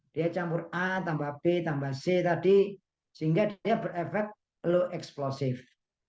dia campur a tambah b tambah c tadi sehingga dia berefek low explosive